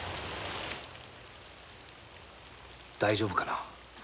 大丈夫かな？